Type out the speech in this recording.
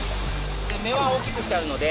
目は大っきくしてあるので。